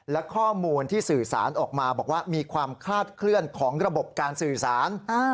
และข้อมูลที่สื่อสารออกมาบอกว่ามีความคลาดเคลื่อนของระบบการสื่อสาร